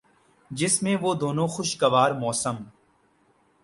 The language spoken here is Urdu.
جس میں وہ دونوں خوشگوار موسم